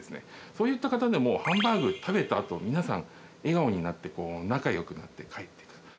そういった方でも、ハンバーグ食べたあと、皆さん、笑顔になって仲よくなって帰っていく。